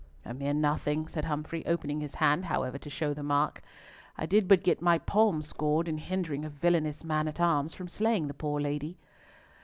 "A mere nothing," said Humfrey, opening his hand, however, to show the mark. "I did but get my palm scored in hindering a villainous man at arms from slaying the poor lady."